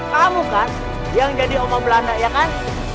kamu kan yang jadi oma belanda ya kan